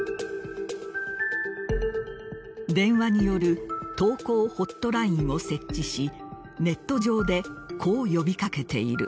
電話による投降ホットラインを設置しネット上でこう呼び掛けている。